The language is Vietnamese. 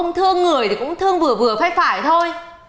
ông thương người thì cũng thương vừa vừa phải phải thôi